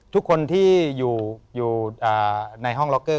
ทุกคนที่อยู่ในห้องล็อกเกอร์